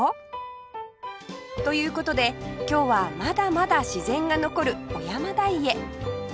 という事で今日はまだまだ自然が残る尾山台へ